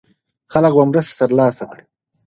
خلک به مرسته ترلاسه کړي.